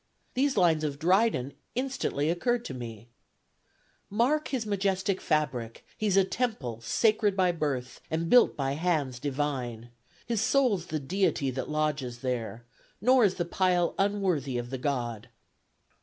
These lines of Dryden instantly occurred to me: Mark his majestic fabric; he's a temple Sacred by birth, and built by hands divine; His soul's the deity that lodges there, Nor is the pile unworthy of the god.